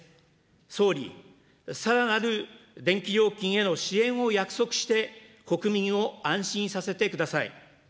総理、さらなる電気料金への支援を約束して、国民を安心させてください。